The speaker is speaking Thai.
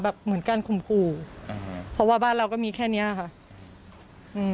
เหมือนการข่มขู่อืมเพราะว่าบ้านเราก็มีแค่เนี้ยค่ะอืม